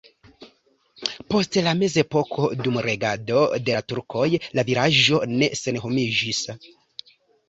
Post la mezepoko dum regado de la turkoj la vilaĝo ne senhomiĝis.